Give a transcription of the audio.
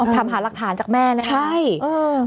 ทำหาหลักฐานจากแม่นะครับเออเออใช่